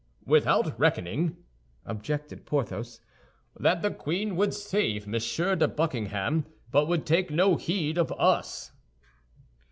"Without reckoning," objected Porthos, "that the queen would save Monsieur de Buckingham, but would take no heed of us."